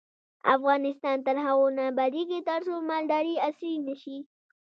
افغانستان تر هغو نه ابادیږي، ترڅو مالداري عصري نشي.